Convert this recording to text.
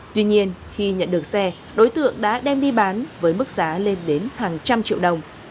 tuy nhiên khi nhận được xe đối tượng đã đem đi bán với mức giá lên đến hàng trăm triệu đồng